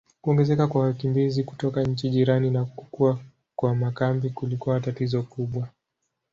Kuongezeka kwa wakimbizi kutoka nchi jirani na kukua kwa makambi kulikuwa tatizo kubwa.